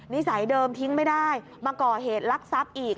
สัยเดิมทิ้งไม่ได้มาก่อเหตุลักษัพอีก